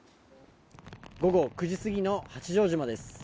午後９時過ぎの八丈島です。